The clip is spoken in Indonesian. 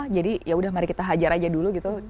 jadi yaudah mari kita hajar aja dulu gitu